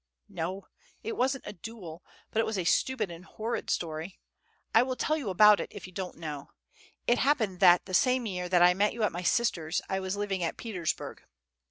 "No, it wasn't a duel, but it was a stupid and horrid story. I will tell you all about it, if you don't know. It happened that the same year that I met you at my sister's I was living at Petersburg.